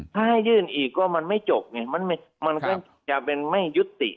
ถ้าให้ยื่นอีกก็มันไม่จบไงมันก็จะเป็นไม่ยุติ